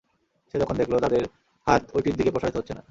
সে যখন দেখল, তাদের হাত ঐটির দিকে প্রসারিত হচ্ছে না।